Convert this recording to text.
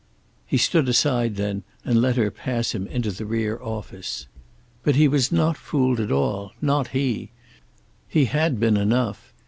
He stood aside then and let her pass him into the rear office. But he was not fooled at all. Not he. He had been enough.